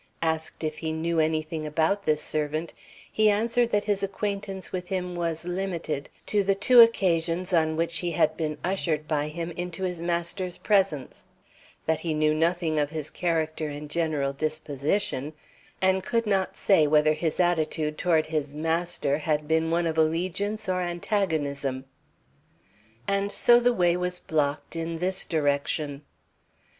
Asked if he knew anything about this servant, he answered that his acquaintance with him was limited to the two occasions on which he had been ushered by him into his master's presence; that he knew nothing of his character and general disposition, and could not say whether his attitude toward his master had been one of allegiance or antagonism. And so the way was blocked in this direction.